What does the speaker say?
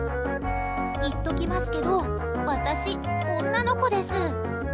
言っときますけど私、女の子です。